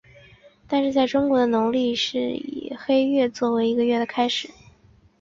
但是在中国的农历是以黑月做为一个月的开始。